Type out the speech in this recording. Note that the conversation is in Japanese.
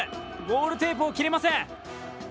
ゴールテープを切れません。